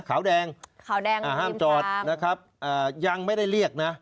ขาวแดงครีมครับอ่าห้ามจอดนะครับยังไม่ได้เรียกนะ